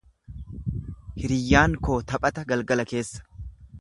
Hiriyyaan koo taphata galgala keessa.